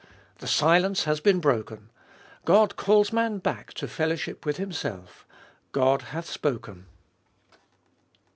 The silence has been broken. God calls man back to fellowship with Himself. God hath spoken